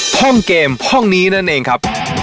ห้องเกมห้องนี้นั่นเองครับ